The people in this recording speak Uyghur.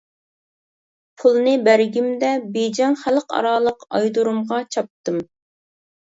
پۇلنى بەرگىمدە بېيجىڭ خەلقئارالىق ئايرودۇرۇمغا چاپتىم.